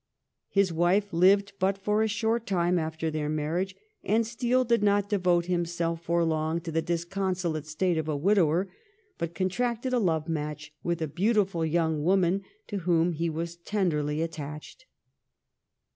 His wife lived but for a short time after their marriage, and Steele did not devote himself for long to the disconsolate state of a widower, but contracted a love match with a beautiful young woman, to whom he was tenderly attached.